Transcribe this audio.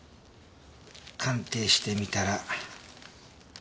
鑑定してみたら。